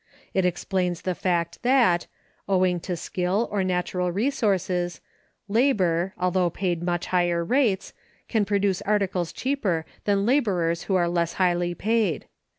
It explains the fact that, owing to skill or natural resources, labor, although paid much higher rates, can produce articles cheaper than laborers who are less highly paid.